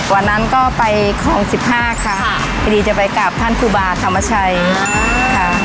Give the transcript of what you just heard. วันนั้นก็ไปคลองสิบห้าค่ะพอดีจะไปกลับท่านครูบาธรรมชัยค่ะ